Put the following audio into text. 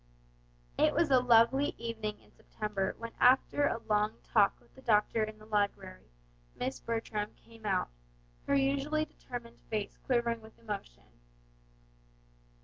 It was a lovely evening in September when after a long talk with the doctor in the library Miss Bertram came out, her usually determined face quivering with emotion.